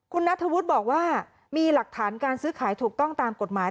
คุณนัทธวุฒิบอกว่ามีหลักฐานการซื้อขายถูกต้องตามกฎหมาย